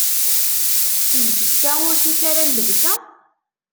Lǧetta, ur tif ara llebsa?